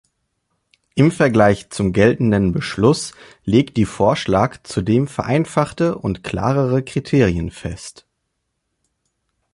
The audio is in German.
Im Vergleich zum geltenden Beschluss legt die Vorschlag zudem vereinfachte und klarere Kriterien fest.